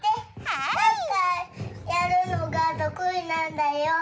サッカーやるのがとくいなんだよ。